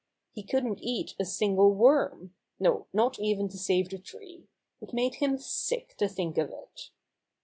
He couldn't eat a single worm — no, not even to save the tree. It made him sick to think of it.